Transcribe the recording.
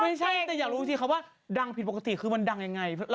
ไม่ใช่แต่อยากรู้อีกทีคำว่าดังผิดปกติคือมันดังยังไง